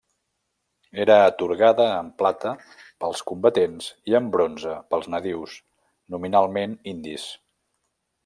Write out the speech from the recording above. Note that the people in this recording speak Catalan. Era atorgada en plata pels combatents i en bronze pels nadius, nominalment indis.